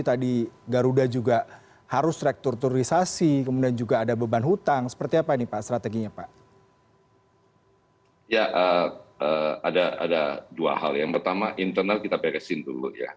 ada dua hal yang pertama internal kita beresin dulu ya